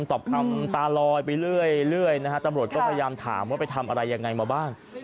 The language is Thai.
ตอบคำตาลอยไปเรื่อยนะฮะตำรวจก็พยายามถามว่าไปทำอะไรยังไงมาบ้าง